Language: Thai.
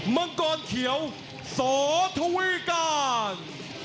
มังกรเขียวโสธวีการ